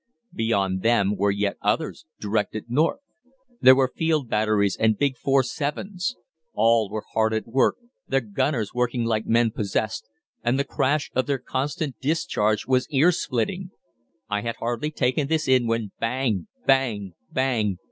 Beyond them were yet others directed north. There were field batteries and big 4·7's. All were hard at work, their gunners working like men possessed, and the crash of their constant discharge was ear splitting. I had hardly taken this in when 'Bang! Bang! Bang!